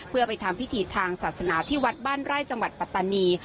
เพื่อไปทำพิธีทางศาสนาที่วัดบ้านไร่จังหวัดปัตตานี